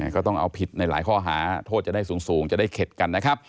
ก็ต้องเอาผิดในหลายข้อหาโทษจะได้สูงจะได้เข็ดกันนะครับ